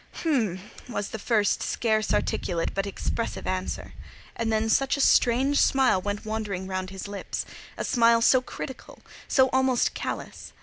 "Hm m m," was the first scarce articulate but expressive answer; and then such a strange smile went wandering round his lips, a smile so critical, so almost callous!